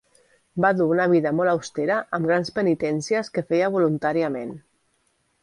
Va dur una vida molt austera amb grans penitències que feia voluntàriament.